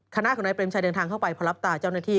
คณะของนายเปรมชัยเดินทางเข้าไปพอรับตาเจ้าหน้าที่